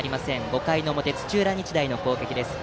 ５回の表、土浦日大の攻撃です。